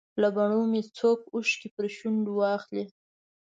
له بڼو به مې څوک اوښکې پر شونډه واخلي.